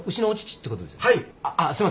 あっすいません。